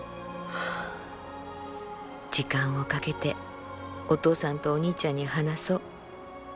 「時間をかけてお父さんとお兄ちゃんに話そう。